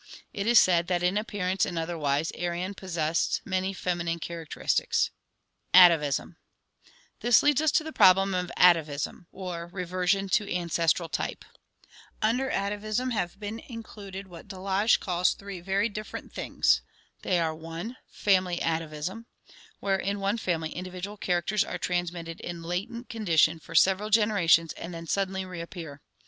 It is said that in appearance and otherwise Arion pos sessed many feminine characteristics. Atavism. — This leads us to the problem of atavism (Lat. atavus, an ancestor, from avus, a' grandfather, or a great great great grand father) or reversion to ancestral type. Under atavism have been included what Delage calls three very different things. They are: 1. Family atavism. Where in one family individual characters are transmitted in latent condition for several generations and then suddenly reappear.